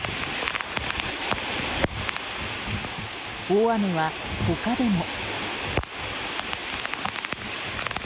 大雨は他でも。